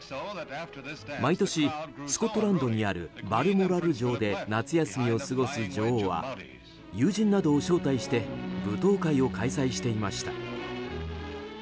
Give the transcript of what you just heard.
毎年、スコットランドにあるバルモラル城で夏休みを過ごす女王は友人などを招待して舞踏会を開催していました。